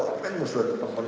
apa yang musuhan